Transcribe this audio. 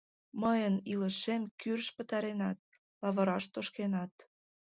Мыйын илышем кӱрышт пытаренат, лавыраш тошкенат...